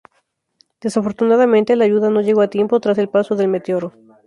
Desafortunadamente, la ayuda no llegó a tiempo tras el paso del meteoro.